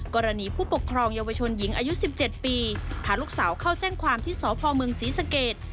กรณีผู้ปกครองเยาวชนหญิงอายุ๑๗ปีพาลูกสาวเข้าแจ้งความที่สพเมืองศรีสเกต